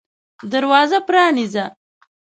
دروازه پرانیزه !